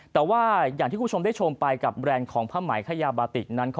แต่อย่างที่คุณผู้ชมได้ชมไปกับแบรนด์ของผ้าหมายขยาบาธิก